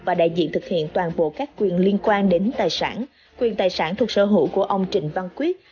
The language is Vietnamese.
và đại diện thực hiện toàn bộ các quyền liên quan đến tài sản quyền tài sản thuộc sở hữu của ông trịnh văn quyết